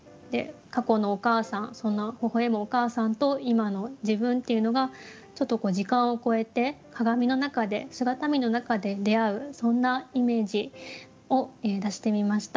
過去のお母さんそんな微笑むお母さんと今の自分っていうのがちょっと時間を超えて鏡の中で姿見の中で出会うそんなイメージを出してみました。